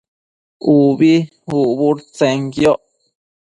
ubi ucbudtsenquioc